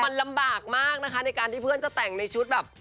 มันลำบากมากนะคะในการที่เพื่อนจะแต่งในชุดแบบ